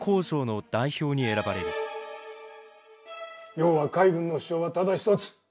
要は海軍の主張はただ一つ。